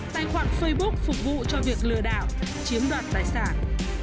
tài khoản facebook phục vụ cho việc lừa đảo chiếm đoạt tài sản